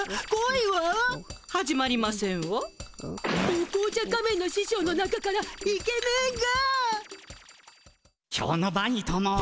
お紅茶仮面の師匠の中からイケメンが。